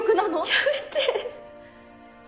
やめて。